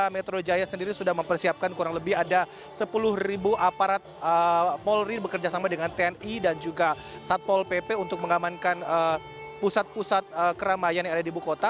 metro jaya sendiri sudah mempersiapkan kurang lebih ada sepuluh aparat polri bekerjasama dengan tni dan juga satpol pp untuk mengamankan pusat pusat keramaian yang ada di buku kota